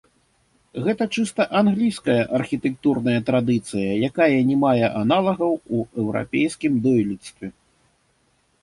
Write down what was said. Гэта чыста англійская архітэктурная традыцыя, якая не мае аналагаў у еўрапейскім дойлідстве.